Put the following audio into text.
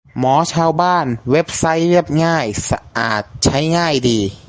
หมอชาวบ้าน เว็บไซต์เรียบง่าย สะอาด ใช้ง่ายดี